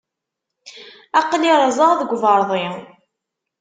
Aql-i rrẓeɣ deg uberḍi.